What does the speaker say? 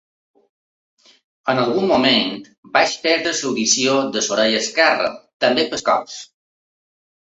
En algun moment, vaig perdre l’audició de l’orella esquerra, també pels cops.